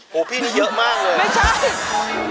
โหพี่นี่เยอะมากเลย